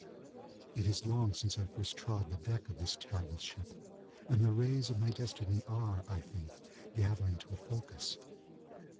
It is long since I first trod the deck of this terrible ship, and the rays of my destiny are, I think, gathering to a focus.